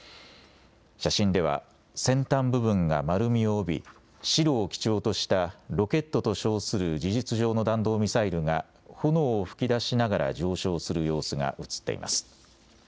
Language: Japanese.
写真では先端部分が丸みを帯び白を基調としたロケットと称する事実上の弾道ミサイルが炎を噴き出しながら上昇する様子が写っています。